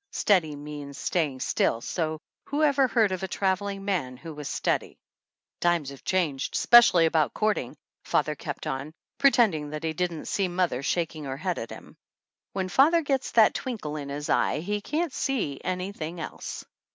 Steady means staying still, so who ever heard of a traveling man who was steady ? THE ANNALS OF ANN "Times have changed, especially about court ing," father kept on, pretending that he didn't see mother shaking her head at him. When father gets that twinkle in his eye he can't see anything else.